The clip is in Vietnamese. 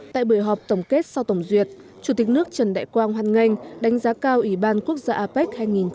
tại buổi họp tổng kết sau tổng duyệt chủ tịch nước trần đại quang hoan nghênh đánh giá cao ủy ban quốc gia apec hai nghìn hai mươi